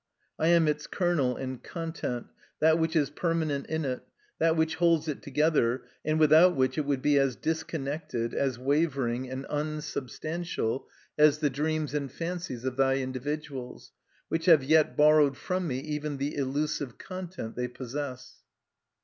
I am its kernel and content, that which is permanent in it, that which holds it together, and without which it would be as disconnected, as wavering, and unsubstantial as the dreams and fancies of thy individuals, which have yet borrowed from me even the illusive content they possess.